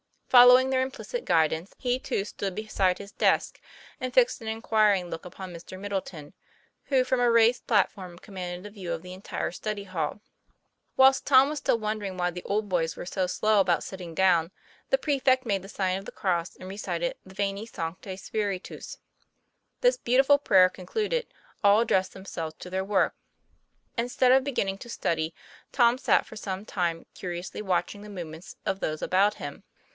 Following their implicit guidance, he too stood beside his desk, and fixed an inquiring look upon Mr. Middleton, who from a raised platform commanded a view of the entire study hall. Whilst Tom was still wondering why the old boys were so slow about sitting down, the prefect made the sign of the cross and recited the " Veni Sancte Spiritus" This beautiful prayer concluded, all ad dressed themselves to their work. Instead of beginning to study, Tom sat for some time curiously watching the movements of those about him.